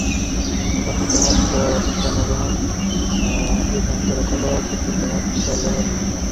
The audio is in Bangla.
অধার্মিক তোমার পণগ্রহণ, এ পণকে রক্ষা করাও প্রতিদিন তোমার স্বধর্মবিদ্রোহ।